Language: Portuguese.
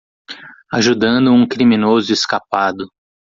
Ajudando um criminoso escapado.